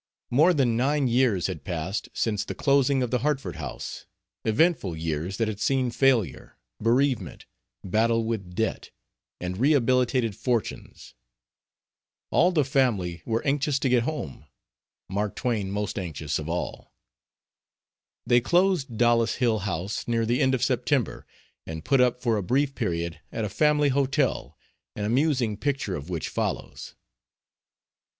More than nine years had passed since the closing of the Hartford house eventful years that had seen failure, bereavement, battle with debt, and rehabilitated fortunes. All the family were anxious to get home Mark Twain most anxious of all. They closed Dollis Hill House near the end of September, and put up for a brief period at a family hotel, an amusing picture of which follows.